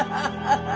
ハハハハ！